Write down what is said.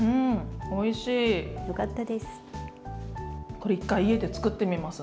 これ一回家で作ってみます。